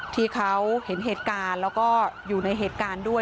ที่เขาเห็นเหตุการณ์แล้วก็อยู่ในเหตุการณ์ด้วย